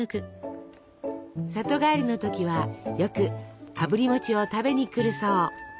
里帰りの時はよくあぶり餅を食べに来るそう。